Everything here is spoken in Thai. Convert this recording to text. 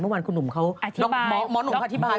เมื่อวานคุณหนุ่มเขาหมอหนุ่มอธิบาย